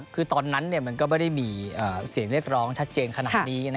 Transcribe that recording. คือตอนนั้นมันก็ไม่ได้มีเสียงเรียกร้องชัดเจนขนาดนี้